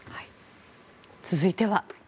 続いては。